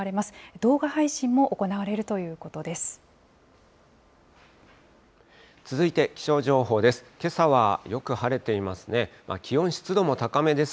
動画配信も行われるということです。